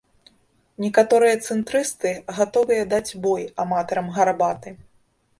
Некаторыя цэнтрысты гатовыя даць бой аматарам гарбаты.